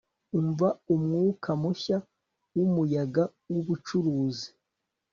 umva umwuka mushya wumuyaga wubucuruzi